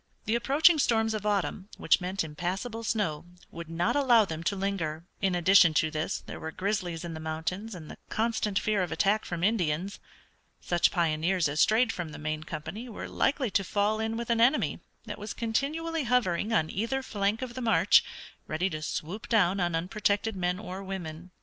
The approaching storms of autumn, which meant impassable snow, would not allow them to linger. In addition to this there were grizzlies in the mountains and the constant fear of attack from Indians. Such pioneers as strayed from the main company were likely to fall in with an enemy that was continually hovering on either flank of the march, ready to swoop down upon unprotected men or women.